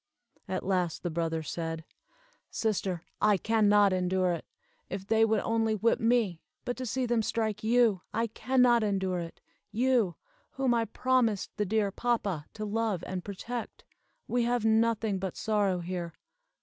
At last the brother said: "Sister, I can not endure it. If they would only whip me but to see them strike you! I can not endure it! You, whom I promised the dear papa to love and protect. We have nothing but sorrow here.